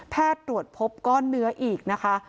ตรวจพบก้อนเนื้ออีกนะคะ